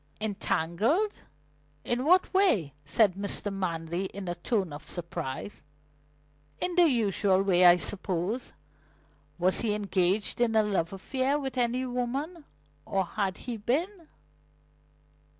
"Entangled? In what way?" said Mr. Manley in a tone of surprise. "In the usual way, I suppose. Was he engaged in a love affair with any woman, or had he been?"